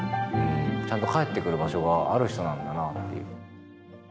ちゃんと帰ってくる場所がある人なんだなっていう。